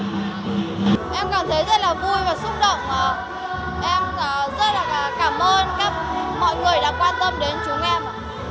tôi thấy rất là vui và xúc động em rất là cảm ơn mọi người đã quan tâm đến chúng em